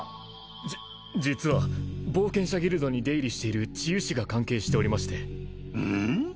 じ実は冒険者ギルドに出入りしている治癒士が関係しておりましてうん？